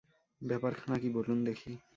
ব্যাপারখানা কী বলুন দেখি!